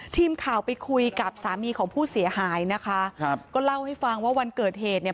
ทีมข่าวไปคุยกับสามีของผู้เสียหายนะคะครับก็เล่าให้ฟังว่าวันเกิดเหตุเนี่ย